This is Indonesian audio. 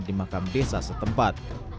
di makam desa setempat